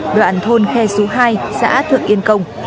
đoạn thôn khe số hai xã thượng yên công